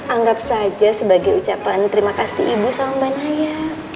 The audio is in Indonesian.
anggap saja sebagai ucapan terima kasih ibu sama mbak naya